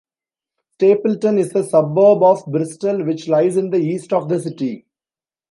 Stapleton is a suburb of Bristol which lies in the east of the city.